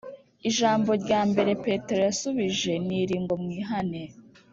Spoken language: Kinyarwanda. Ijambo rya mbere Petero yabasubije niri ngo”Mwihane”